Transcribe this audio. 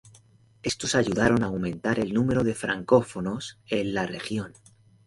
Estos ayudaron a aumentar el número de francófonos en la región.